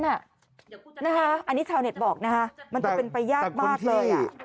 อันนี้ชาวเน็ตบอกนะคะมันจะเป็นไปยากมากเลย